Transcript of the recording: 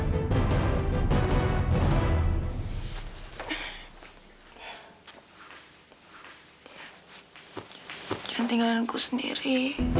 jangan tinggalkan aku sendiri